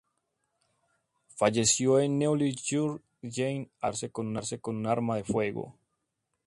Falleció en Neuilly-sur-Seine al suicidarse con un arma de fuego.